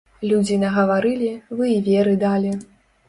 Людзі нагаварылі, вы і веры далі.